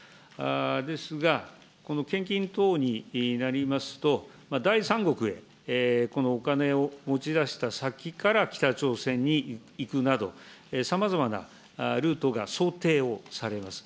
ですが、この献金等になりますと、第三国へこのお金を持ち出した先から北朝鮮に行くなど、さまざまなルートが想定をされます。